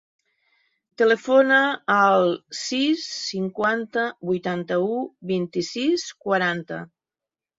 Telefona al sis, cinquanta, vuitanta-u, vint-i-sis, quaranta.